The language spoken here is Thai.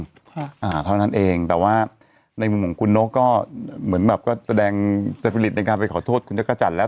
อ่าเท่านั้นเองแต่ว่าในมุมของคุณนกก็เหมือนแบบก็แสดงสปิริตในการไปขอโทษคุณจักรจันทร์แล้ว